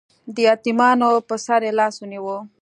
د یتیمانو په سر یې لاس ونیو.